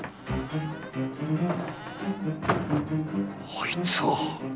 あいつは！